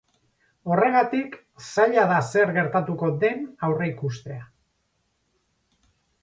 Horregatik, zaila da zer gertatuko den aurrikustea.